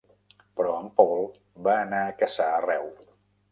Però en Paul va anar a caçar arreu.